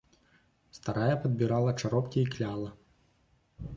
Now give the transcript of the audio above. Старая падбірала чаропкі і кляла.